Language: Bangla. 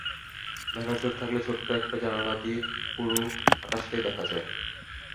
দেখার চোখ থাকলে ছোট্ট একটা জানালা দিয়ে পুরো আকাশটাই দেখা যায়।